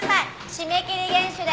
締め切り厳守で。